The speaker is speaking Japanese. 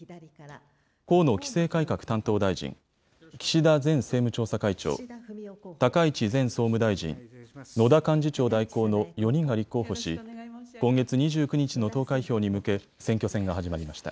河野規制改革担当大臣、岸田前政務調査会長、高市前総務大臣、野田幹事長代行の４人が立候補し、今月２９日の投開票に向け、選挙戦が始まりました。